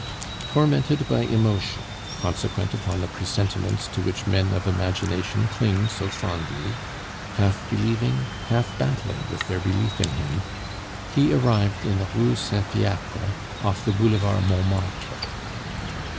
Tormented by emotion, consequent upon the presentiments to which men of imagination cling so fondly, half believing, half battling with their belief in them, he arrived in the Rue Saint Fiacre off the Boulevard Montmartre.